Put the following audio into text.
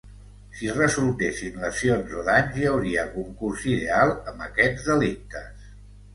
Si resultessin lesions o danys hi hauria concurs ideal amb aquests delictes.